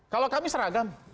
kalau kami seragam